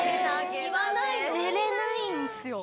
寝れないんですよ